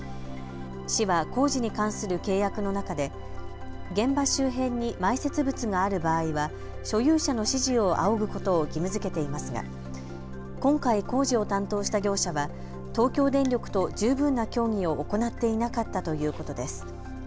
市は工事に関する契約の中で現場周辺に埋設物がある場合は所有者の指示を仰ぐことを義務づけていますが今回、工事を担当した業者は東京電力と十分な協議を行っていなかったということです。